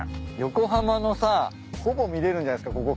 横浜のさほぼ見れるんじゃないっすか？